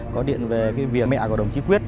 có điện về việc mẹ của đồng chí quyết